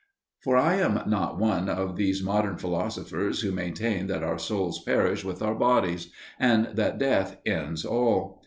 For I am not one of these modern philosophers who maintain that our souls perish with our bodies, and that death ends all.